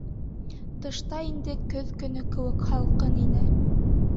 Тышта инде көҙ көнө кеүек һалҡын ине.